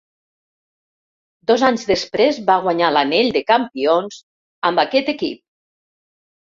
Dos anys després va guanyar l'anell de campions amb aquest equip.